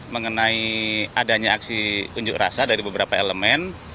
mengenai adanya aksi unjuk rasa dari beberapa elemen